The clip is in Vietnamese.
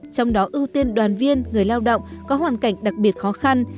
trong đó ưu tiên đoàn viên người lao động có hoàn cảnh đặc biệt khó khăn